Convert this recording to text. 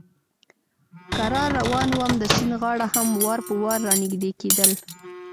کرار روان ووم، د سیند غاړه هم وار په وار را نږدې کېدل.